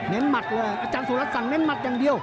หมัดเลยอาจารย์สุรัสสั่งเน้นหมัดอย่างเดียว